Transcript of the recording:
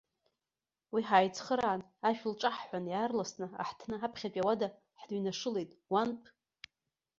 Уи ҳааицхраан, ашә лҿаҳҳәан, иаарласны аҳҭны аԥхьатәи ауада ҳныҩнашылеит, уантә.